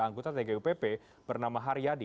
anggota tgupp bernama haryadi